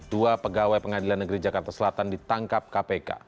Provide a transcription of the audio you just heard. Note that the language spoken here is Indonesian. dua pegawai pengadilan negeri jakarta selatan ditangkap kpk